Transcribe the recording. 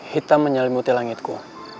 hitam menyelimuti langitku